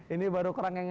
ini baru kurang tinggi